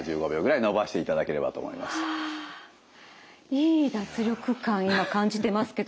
いい脱力感今感じてますけども。